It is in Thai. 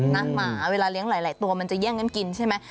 หมาเวลาเลี้ยงหลายตัวมันจะแย่งกันกินใช่ไหม